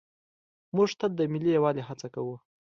موږ تل د ملي یووالي هڅه کوو.